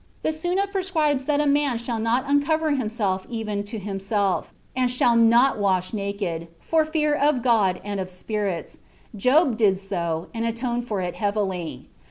The Sunna prescribes that a man shall not uncover himself even to himself, and shall not wash naked from fear of God and of spirits; Job did so, and atoned for it heavily.